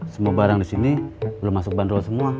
semua barang disini belum masuk bandrol semua